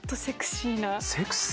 セクシーな？